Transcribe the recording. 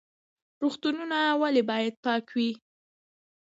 روغتونونه ولې باید پاک وي؟